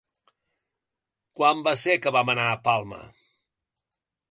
Quan va ser que vam anar a Palma?